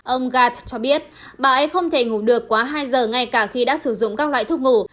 ông gart cho biết bà ấy không thể ngủ được quá hai giờ ngay cả khi đã sử dụng các loại thuốc ngủ